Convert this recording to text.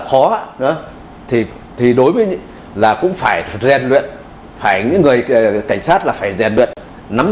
khó nữa thì đối với là cũng phải rèn luyện phải những người cảnh sát là phải rèn luyện nắm